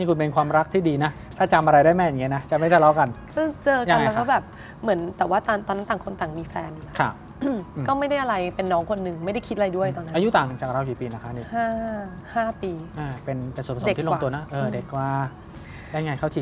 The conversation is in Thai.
คุณเป็นความรักที่ดีถ้าจำอะไรได้ไม่ไตล